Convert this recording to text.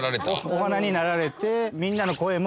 お花になられて。